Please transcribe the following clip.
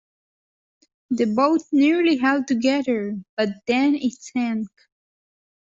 The boat nearly held together, but then it sank.